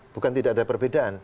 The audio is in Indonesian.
bukan tidak ada perbedaan